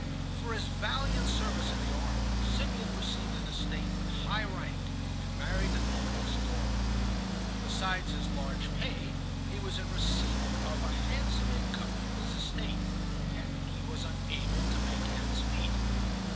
For his valiant service in the army, Simeon received an estate with high rank, and married a noble's daughter. Besides his large pay, he was in receipt of a handsome income from his estate; yet he was unable to make ends meet.